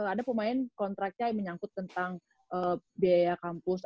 ada pemain kontraknya menyangkut tentang biaya kampus